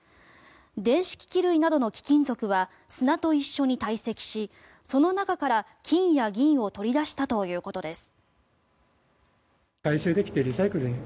電子機器類などの貴金属は砂と一緒にたい積しその中から金や銀を取り出したということです。